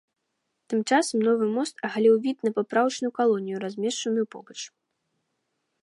Тым часам новы мост агаліў від на папраўчую калонію, размешчаную побач.